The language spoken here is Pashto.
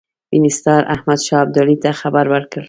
وینسیټار احمدشاه ابدالي ته خبر ورکړ.